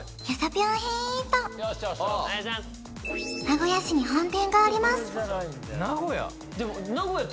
名古屋市に本店があります名古屋？